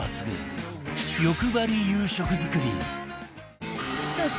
欲張り夕食作り